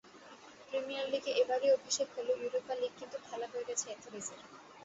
Premier লিগে এবারই অভিষেক হলেও ইউরোপা লিগ কিন্তু খেলা হয়ে গেছে এথেরিজের।